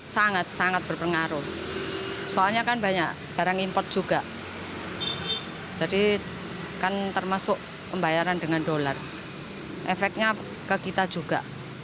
sangat sangat berpengaruh soalnya kan banyak barang import juga jadi kan termasuk pembayaran dengan dolar efeknya ke kita juga